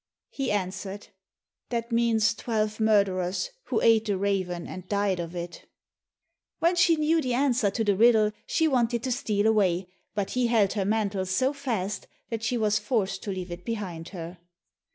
He answered, "That means twelve murderers, who ate the raven and died of it." When she knew the answer to the riddle she wanted to steal away, but he held her mantle so fast that she was forced to leave it behind her.